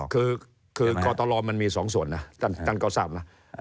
คือก่อตะลอมันมีสองส่วนนะตันเก่าทราบนะ